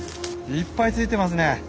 いっぱいついてますね。